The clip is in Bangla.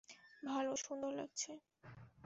ভালো, সুন্দর লাগছে।